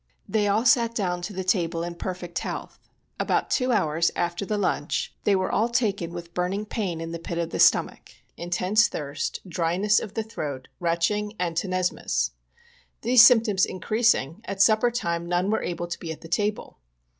Thej^ all sat down to the table in perfect health. About two hours after the lunch they were all taken POISONING BY CANNED GOODS. 55 with burning pain in the pit of the stomach, intense thirst, dryness of the throat, retching and tenesmus. These symp toms increasing, at supper time none were able to be at the table.